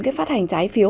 cái phát hành trái phiếu